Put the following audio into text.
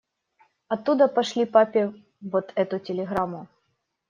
Оттуда пошли папе вот эту телеграмму.